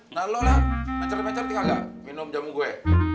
nah lo lah macer macet tinggal gak minum jamu gue